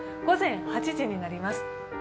午前８時になります。